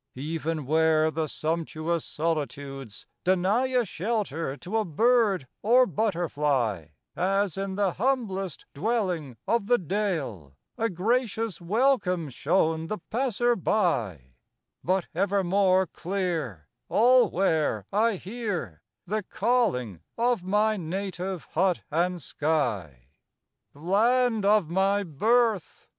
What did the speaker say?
Even where the sumptuous solitudes deny A shelter to a bird or butterfly, As in the humblest dwelling of the dale A gracious welcome 's shown the passer by But evermore clear Allwhere I hear The calling of my native hut and sky. Land of my birth!